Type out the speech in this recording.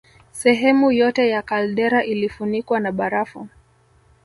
Sehemu yote ya kaldera ilifunikwa na barafu